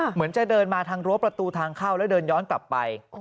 เหมือนจะเดินมาทางรั้วประตูทางเข้าแล้วเดินย้อนกลับไป